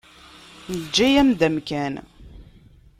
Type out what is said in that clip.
Neǧǧa-yam-d amkan.